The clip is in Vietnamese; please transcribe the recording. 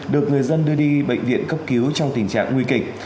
được người dân đưa đi bệnh viện cấp cứu trong tình trạng nguy kịch